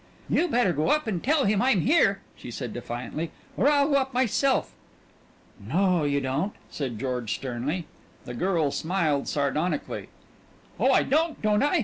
"You better go up and tell him I'm here," she said defiantly, "or I'll go up myself." "No, you don't!" said George sternly. The girl smiled sardonically. "Oh, I don't, don't I?